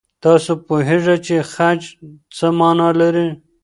تاسو پوهېږئ چې خج څه مانا لري؟